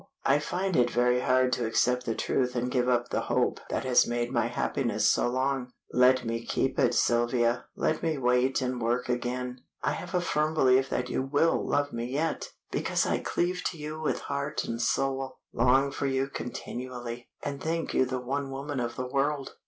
I find it very hard to accept the truth and give up the hope that has made my happiness so long. Let me keep it, Sylvia; let me wait and work again. I have a firm belief that you will love me yet, because I cleave to you with heart and soul, long for you continually, and think you the one woman of the world."